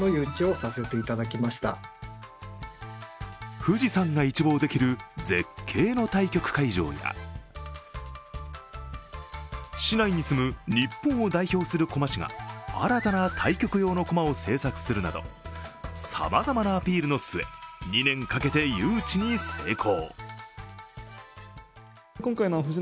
富士山が一望できる絶景の対局会場や市内に住む日本を代表する駒師が新たな対局用の駒を制作するなど、さまざまなアピールの末、２年かけて誘致に成功。